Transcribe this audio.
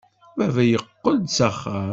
Baba yeqqel-d s axxam.